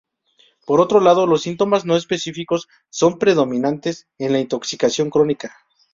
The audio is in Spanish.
Por otro lado, los síntomas no específicos son predominantes en la intoxicación crónica.